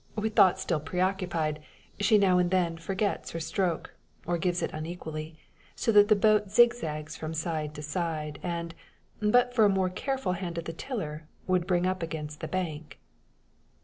With thoughts still preoccupied, she now and then forgets her stroke, or gives it unequally so that the boat zig zags from side to side, and, but for a more careful hand at the tiller, would bring up against the bank.